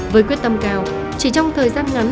với quyết tâm cao chỉ trong thời gian ngắn